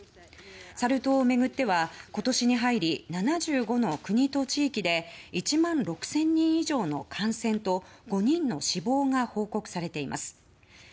サル痘を巡っては今年に入り７５の国と地域で１万６０００人以上の感染と５人の死亡が報告されています。